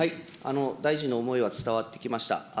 大臣の思いは伝わってきました。